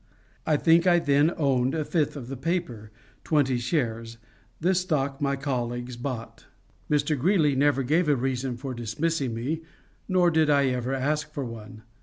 I think I then owned a fifth of the paper twenty shares; this stock my colleagues bought. Mr. Greeley never gave a reason for dismissing me, nor did I ever ask for one.